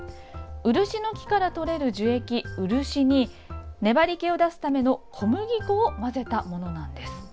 ウルシノキのから採れる樹液漆に粘り気を出すための小麦粉を混ぜたものなんです。